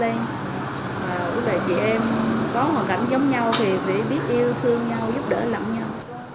và cũng là chị em có hoàn cảnh giống nhau thì phải biết yêu thương nhau giúp đỡ lẫn nhau